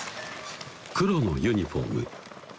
黒のユニフォーム